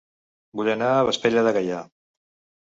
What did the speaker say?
Vull anar a Vespella de Gaià